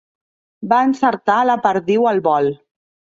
Va encertar la perdiu al vol.